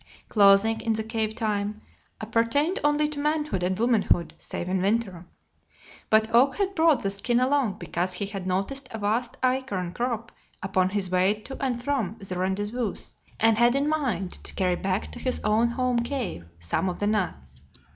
Clothing, in the cave time, appertained only to manhood and womanhood, save in winter. But Oak had brought the skin along because he had noticed a vast acorn crop upon his way to and from the rendezvous and had in mind to carry back to his own home cave some of the nuts.